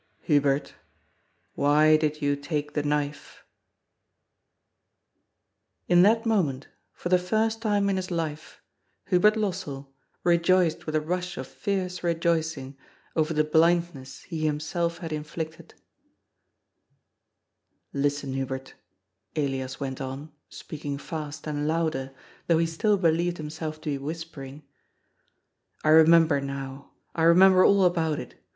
" Hubert, why did you take the knife ?" In that moment, for the first time in his life, Hubert Lossell rejoiced with a rush of fierce rejoicing over the blindness he himself had inflicted. THE RESURRECTION AND THE LIFE. 439 "Listen, Hubert," Elias went on, speaking fast, and louder, though he still believed himself to be whispering, " I remember now. I remember all about it.